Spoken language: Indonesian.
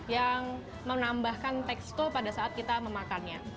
yang menambahkan tekstur pada saat kita memakannya